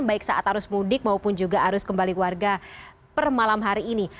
baik saat arus mudik maupun juga arus kembali warga per malam hari ini